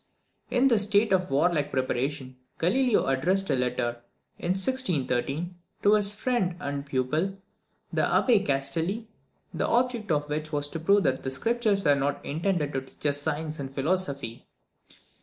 In this state of warlike preparation Galileo addressed a letter, in 1613, to his friend and pupil, the Abbé Castelli, the object of which was to prove that the Scriptures were not intended to teach us science and philosophy.